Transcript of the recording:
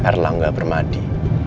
r langga permadi